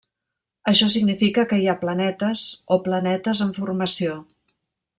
Això significa que hi ha planetes o planetes en formació.